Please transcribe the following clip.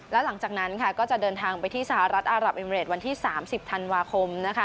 และหลังจากนั้นค่ะก็จะเดินทางไปที่สหรัฐอารับเอมิเรดวันที่๓๐ธันวาคมนะคะ